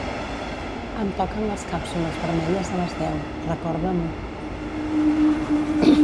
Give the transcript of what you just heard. Em toquen les càpsules vermelles a les deu, recorda-m'ho.